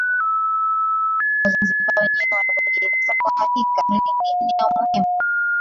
Wazanzibari wenyewe wanavyojieleza kwa hakika hili ni eneo muhimu